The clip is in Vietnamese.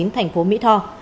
thành phố mỹ tho